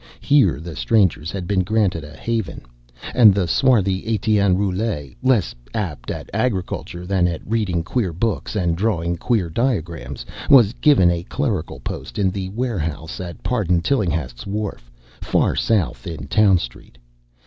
Here the strangers had been granted a haven; and the swarthy Etienne Roulet, less apt at agriculture than at reading queer books and drawing queer diagrams, was given a clerical post in the warehouse at Pardon Tillinghast's wharf, far south in Town Street.